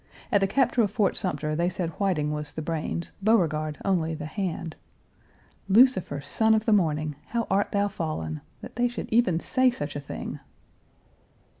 At the capture of Fort Sumter they said Whiting was the brains, Beauregard only the hand. Lucifer, son of the morning! How art thou fallen! That they should even say such a thing!